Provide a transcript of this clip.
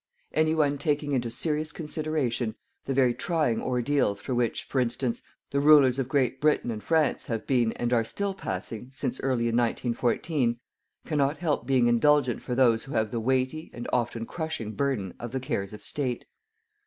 Anyone taking into serious consideration the very trying ordeal through which, for instance, the rulers of Great Britain and France have been, and are still passing, since early in 1914, cannot help being indulgent for those who have the weighty and often crushing burden of the cares of State.